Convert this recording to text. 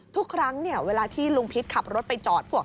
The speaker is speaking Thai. ทุกครั้งเวลาที่ลุงพิษขับรถไปจอดพวก